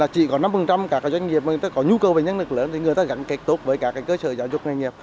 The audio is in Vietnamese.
chỉ có năm các doanh nghiệp có nhu cầu về nhân lực lớn thì người ta gắn kết tốt với các cơ sở giáo dục doanh nghiệp